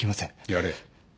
やれ。